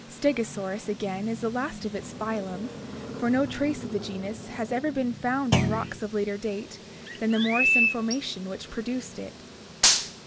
Stegosaurus again is the last of its phylum, for no trace of the genus has ever been found in rocks of later date than the Morrison formation which produced it.